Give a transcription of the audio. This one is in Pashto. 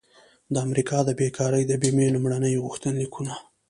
د امریکا د بیکارۍ د بیمې لومړني غوښتنلیکونه